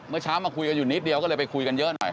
เมื่อเช้ามาคุยกันอยู่นิดเดียวก็เลยไปคุยกันเยอะหน่อย